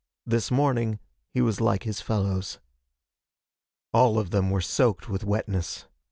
This morning he was like his fellows. All of them were soaked with wetness.